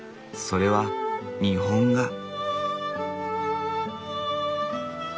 それは日本画。